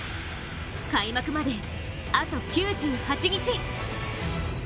開幕まであと９８日。